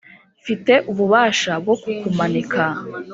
mfite ububasha bwo kukumanika.